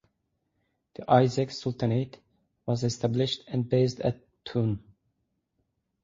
The Isaaq Sultanate was established and based at Toon.